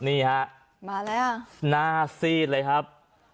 นี่ฮะมาแล้วหน้าซีดเลยครับ